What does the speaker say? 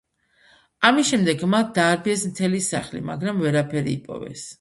ამის შემდეგ მათ დაარბიეს მთელი სახლი, მაგრამ ვერაფერი იპოვეს.